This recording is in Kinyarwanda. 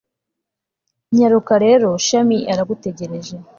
nyaruka rero shami aragutegereje